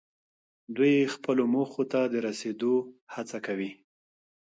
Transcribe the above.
دوی خپلو موخو ته د رسیدو هڅه کوي.